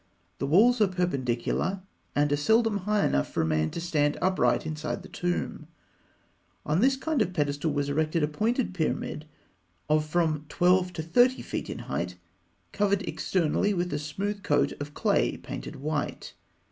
The walls are perpendicular, and are seldom high enough for a man to stand upright inside the tomb. On this kind of pedestal was erected a pointed pyramid of from 12 to 30 feet in height, covered externally with a smooth coat of clay painted white.